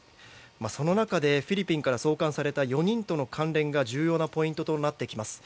その中でフィリピンから送還された４人との関連が重要なポイントとなってきます。